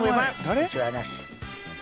誰？